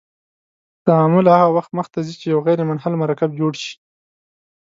تعامل هغه وخت مخ ته ځي چې یو غیر منحل مرکب جوړ شي.